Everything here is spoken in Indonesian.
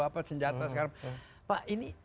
apa senjata sekarang pak ini